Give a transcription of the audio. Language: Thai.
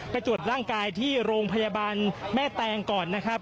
ตรวจร่างกายที่โรงพยาบาลแม่แตงก่อนนะครับ